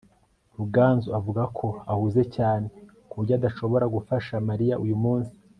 ruganzu avuga ko ahuze cyane ku buryo adashobora gufasha mariya uyu munsi